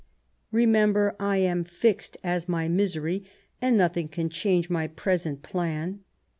Remember, I am fixed as my misery, and nothing can change my present plan.